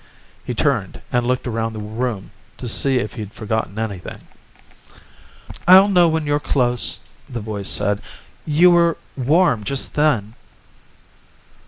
He turned and looked around the room to see if he had forgotten anything. "I'll know when you're close," the voice said. "You were warm just then."